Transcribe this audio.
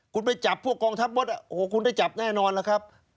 คุณไปจับพวกกองทัพมดโอ้โหคุณได้จับแน่นอนล่ะครับ